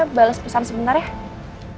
kita berusaha sedikit